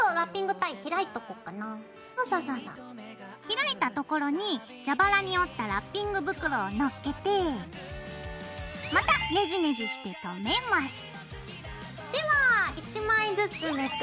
開いた所に蛇腹に折ったラッピング袋をのっけてまたネジネジしてとめます。